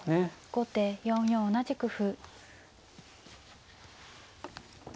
後手４四同じく歩。